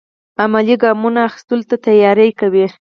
عملي ګامونو اخیستلو ته تیاری کوي.